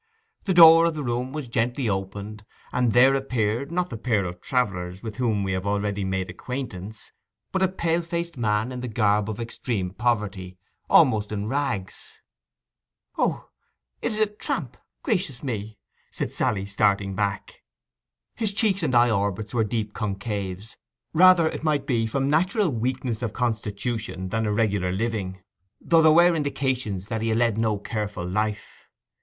The door of the room was gently opened, and there appeared, not the pair of travellers with whom we have already made acquaintance, but a pale faced man in the garb of extreme poverty—almost in rags. 'O, it's a tramp—gracious me!' said Sally, starting back. His cheeks and eye orbits were deep concaves—rather, it might be, from natural weakness of constitution than irregular living, though there were indications that he had led no careful life.